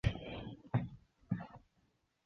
古滕斯特滕是德国巴伐利亚州的一个市镇。